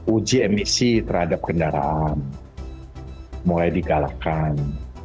uji emisi terhadap kendaraan mulai dikalahkan